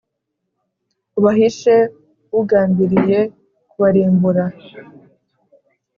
ubahishe ugambiriye kubarimbura.